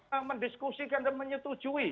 kita mendiskusikan dan menyetujui